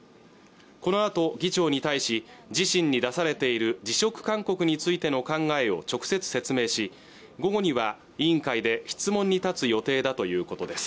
このあと議長に対し自身に出されている辞職勧告についての考えを直接説明し午後には委員会で質問に立つ予定だということです